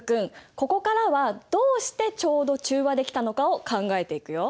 ここからはどうしてちょうど中和できたのかを考えていくよ。